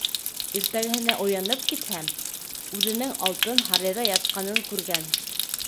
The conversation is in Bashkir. Иртәгеһенә уянып китһә, үҙенең алтын һарайҙа ятҡанын күргән.